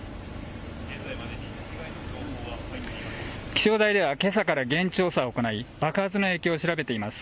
気象台ではけさから現地調査を行い、爆発の影響を調べています。